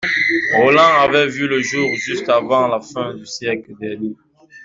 Roland avait vu le jour juste avant la fin du siècle dernier.